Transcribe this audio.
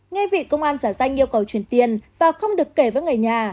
ngay vị công an giả danh yêu cầu chuyển tiền và không được kể với người nhà